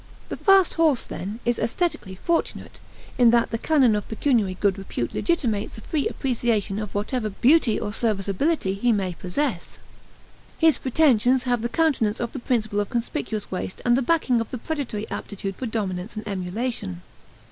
The fast horse, then, is aesthetically fortunate, in that the canon of pecuniary good repute legitimates a free appreciation of whatever beauty or serviceability he may possess. His pretensions have the countenance of the principle of conspicuous waste and the backing of the predatory aptitude for dominance and emulation.